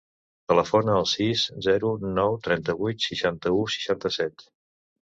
Telefona al sis, zero, nou, trenta-vuit, seixanta-u, seixanta-set.